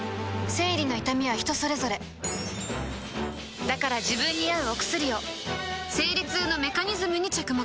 生理の痛みは人それぞれだから自分に合うお薬を生理痛のメカニズムに着目